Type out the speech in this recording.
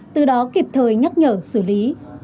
từ đó kịp thời nhắc nhở xử lý